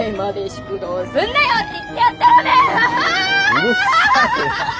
うるさいな。